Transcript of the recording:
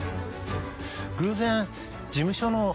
偶然事務所の。